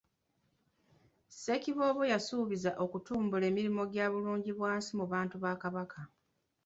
Ssekiboobo yasuubizza okutumbula emirimu gya bulungibwansi mu bantu ba Kabaka.